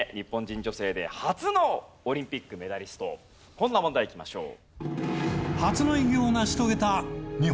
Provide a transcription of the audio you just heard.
こんな問題いきましょう。